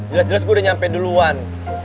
udah jelas gua udah nyampe duluan